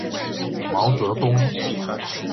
毛泽东